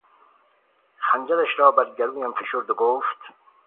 خنجرش را بر گلویم فشرد و گفت...